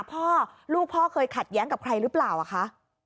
พ่อลูกพ่อเคยขัดแย้งกับใครหรือเปล่าอะคะ